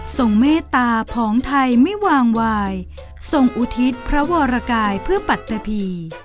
เมตตาผองไทยไม่วางวายทรงอุทิศพระวรกายเพื่อปัตตะพี